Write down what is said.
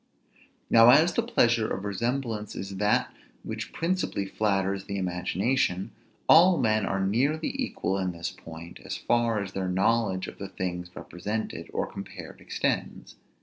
Now as the pleasure of resemblance is that which principally flatters the imagination, all men are nearly equal in this point, as far as their knowledge of the things represented or compared extends.